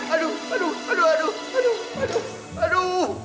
aduh aduh aduh aduh aduh aduh